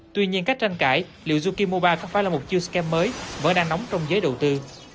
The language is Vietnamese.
tuy nhiên các tranh cãi liệu yuki moba có phải là một chiêu scam mới vẫn đang nóng trong giới đầu tư